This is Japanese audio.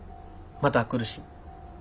また来るし。